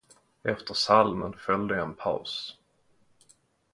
Efter psalmen följde en paus.